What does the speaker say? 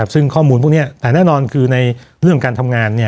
ซึ่งข้อมูลพวกนี้แต่แน่นอนคือในเรื่องการทำงาน